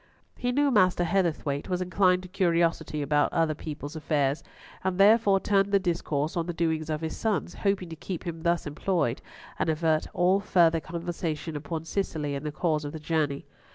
He knew Master Heatherthwayte was inclined to curiosity about other people's affairs, and therefore turned the discourse on the doings of his sons, hoping to keep him thus employed and avert all further conversation upon Cicely and the cause of the journey.